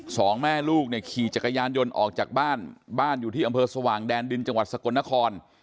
สองแม่ลูกเนี่ยขี่จักรยานยนต์ออกจากบ้านบ้านอยู่ที่อำเภอสว่างแดนดินจังหวัดสกลนคร